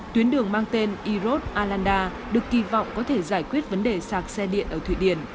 tuyến đường mang tên irod alanda được kỳ vọng có thể giải quyết vấn đề sạc xe điện ở thụy điển